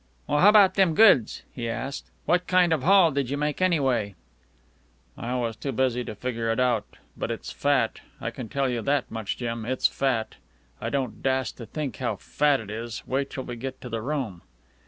"Well, how about them goods?" he asked. "What kind of a haul did you make, anyway?" "I was too busy to figger it out, but it's fat. I can tell you that much, Jim, it's fat. I don't dast to think how fat it is. Wait till we get to the room."